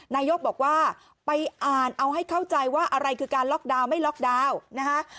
นายกบอกว่าไปอ่านเอาให้เข้าใจว่าอะไรคือการล็อกดาวน์ไม่ล็อกดาวน์นะคะ